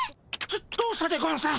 どうしたでゴンス？